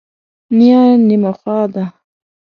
نیا نیمه خوا ده.